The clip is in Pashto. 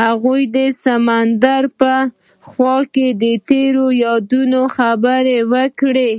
هغوی د سمندر په خوا کې تیرو یادونو خبرې کړې.